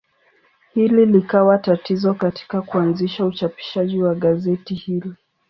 Hili likawa tatizo katika kuanzisha uchapishaji wa gazeti hili.